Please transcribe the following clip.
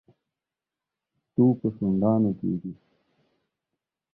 تو په شونډانو کېږي.